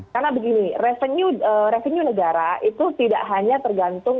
karena begini revenue negara itu tidak hanya tergantung